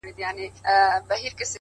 نه دي زما مستي په یاد نه دي یادېږم!.